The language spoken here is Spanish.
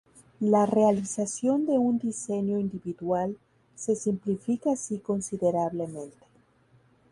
La realización de un diseño individual se simplifica así considerablemente.